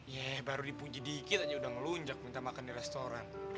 yeh baru dipuji dikit aja udah ngelunjak minta makan di restoran